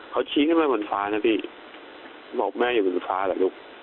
เขาชี้ขึ้นไปบนฟ้านะพี่บอกแม่อยู่บนฟ้าเหรอลูก